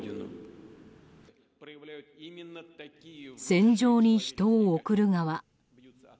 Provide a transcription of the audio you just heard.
戦場に人を送る側。